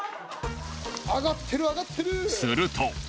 すると